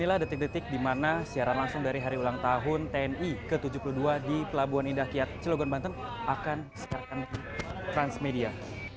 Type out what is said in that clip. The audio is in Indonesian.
inilah detik detik dimana siaran langsung dari hari ulang tahun tni ke tujuh puluh dua di pelabuhan indahkiat cilogon banten akan disiarkan transmedia